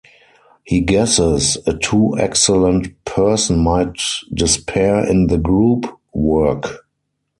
He guesses, "A too excellent person might despair in the group work".